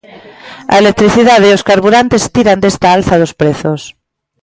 A electricidade e os carburantes tiran desta alza dos prezos.